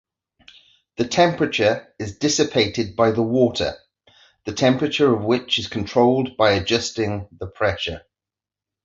The temperature is dissipated by the water, the temperature of which is controlled by adjusting the pressure.